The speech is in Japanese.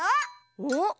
おっ！